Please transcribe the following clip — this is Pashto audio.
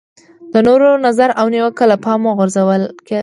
د نورو نظر او نیوکه له پامه غورځول غلط کار دی.